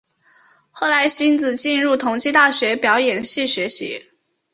后来馨子进入同济大学表演系学习。